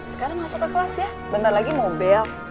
sekarang masuk ke kelas ya bentar lagi mau bel